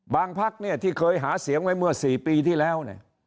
พักที่เคยหาเสียงไว้เมื่อ๔ปีที่แล้ว